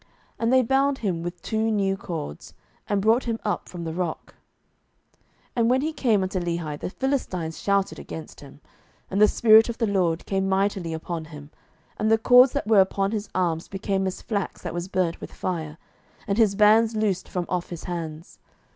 And they bound him with two new cords, and brought him up from the rock. 07:015:014 And when he came unto Lehi, the Philistines shouted against him: and the Spirit of the LORD came mightily upon him, and the cords that were upon his arms became as flax that was burnt with fire, and his bands loosed from off his hands.